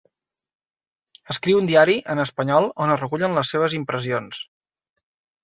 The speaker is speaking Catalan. Escriu un diari en espanyol on es recullen les seves impressions.